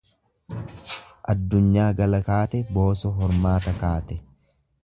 Addunyaa gala kaate booso hormaata kaate.